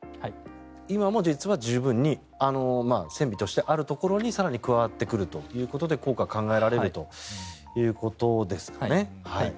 今も実は十分に戦備としてあるところに更に加わってくるということで効果が考えられるということですね。